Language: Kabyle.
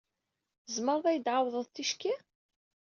Tzemreḍ ad iyi-d-tɛawdeḍ ticki?